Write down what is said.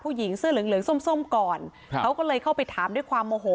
ผู้หญิงเสื้อเหลืองเหลืองส้มส้มก่อนครับเขาก็เลยเข้าไปถามด้วยความโมโห